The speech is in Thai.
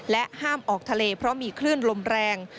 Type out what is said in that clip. ห้ามออกทะเลเพราะมีคลื่นลมแรง